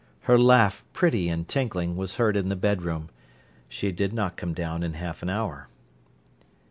Her laugh, pretty and tinkling, was heard in the bedroom. She did not come down in half an hour.